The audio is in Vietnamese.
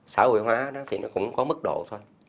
xã hội hóa đó thì nó cũng có mức độ thôi